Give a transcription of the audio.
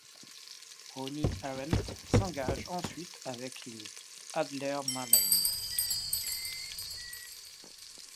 Ronny Arendt s'engage ensuite avec les Adler Mannheim.